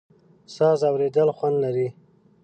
ساز اورېدل خوند لري.